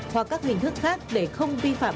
hoặc các hình thức khác để không vi phạm